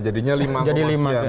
jadinya lima sekian